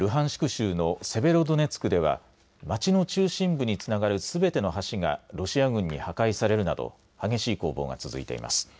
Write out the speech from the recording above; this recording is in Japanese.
州のセベロドネツクでは街の中心部につながるすべての橋がロシア軍に破壊されるなど激しい攻防が続いています。